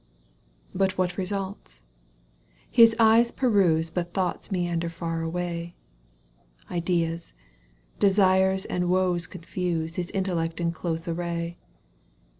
But what results ? His eyes peruse But thoughts meander far away — Ideas, desires and woes confuse His intellect in close array.